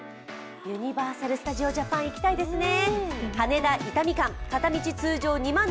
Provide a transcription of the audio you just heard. ユニバーサル・スタジオ・ジャパン、行きたいですね。